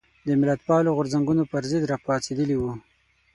د ملتپالو غورځنګونو پر ضد راپاڅېدلي وو.